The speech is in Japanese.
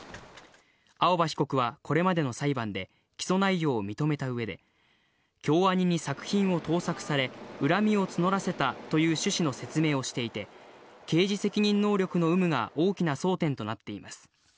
青葉被告はこれまでの裁判で起訴内容を認めた上で、京アニに作品を盗作され、恨みを募らせたという趣旨の説明をしていて、刑事責任能力の有無が大きな争点となっています。